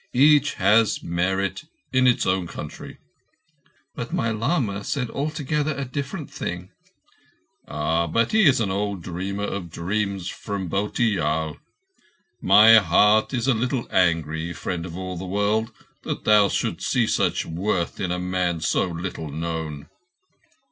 Each has merit in its own country." "But my lama said altogether a different thing." "Oh, he is an old dreamer of dreams from Bhotiyal. My heart is a little angry, Friend of all the World, that thou shouldst see such worth in a man so little known."